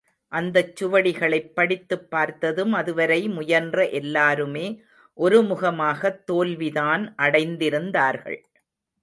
அந்தச் சுவடிகளைப் படித்துப் பார்த்தும் அதுவரை முயன்ற எல்லாருமே ஒருமுகமாகத் தோல்விதான் அடைந்திருந்தார்கள்.